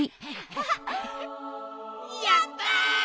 やった！